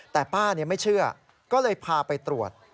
แต่ป้าไม่เชื่อก็เลยพาไปตรวจ